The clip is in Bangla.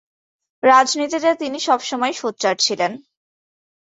রাজনীতিতে তিনি সবসময়ই সোচ্চার ছিলেন।